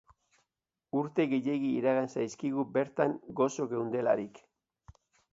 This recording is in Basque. Urte gehiegi iragan zaizkigu bertan goxo geundelarik.